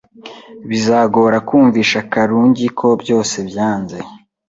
Bizagora kumvisha Karungi ko byose byanze.